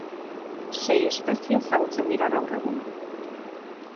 Sei espezie ezagutzen dira gaur egun.